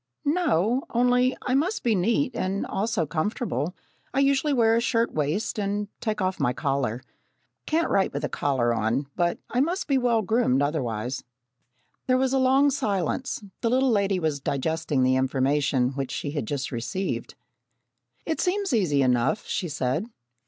"No, only I must be neat and also comfortable. I usually wear a shirt waist and take off my collar. Can't write with a collar on, but I must be well groomed otherwise." There was a long silence. The little lady was digesting the information which she had just received. "It seems easy enough," she said.